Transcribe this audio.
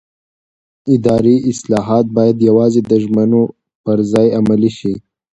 اداري اصلاحات باید یوازې د ژمنو پر ځای عملي شي